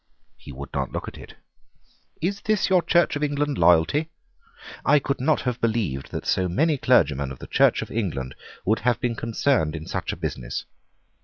He would not look at it. "Is this your Church of England loyalty? I could not have believed that so many clergymen of the Church of England would have been concerned in such a business.